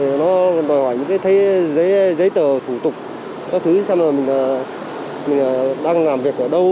nó đòi hỏi những cái giấy tờ thủ tục các thứ xem là mình đang làm việc ở đâu